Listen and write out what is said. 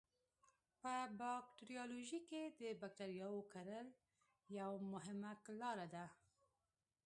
په باکتریالوژي کې د بکټریاوو کرل یوه مهمه لاره ده.